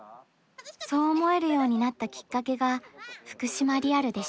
そう思えるようになったきっかけが福島リアルでした。